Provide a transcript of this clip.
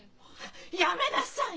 やめなさい！